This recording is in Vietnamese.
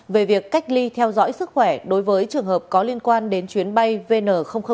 về việc cách ly theo dõi sức khỏe đối với trường hợp có liên quan đến chuyến bay vn năm